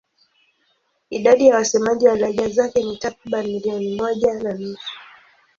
Idadi ya wasemaji wa lahaja zake ni takriban milioni moja na nusu.